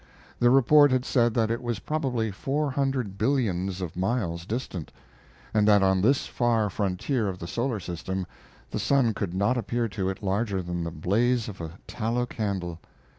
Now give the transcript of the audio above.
The report had said that it was probably four hundred billions of miles distant, and that on this far frontier of the solar system the sun could not appear to it larger than the blaze of a tallow candle.